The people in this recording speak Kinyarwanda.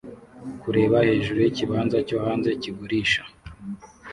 Kureba hejuru yikibanza cyo hanze kigurisha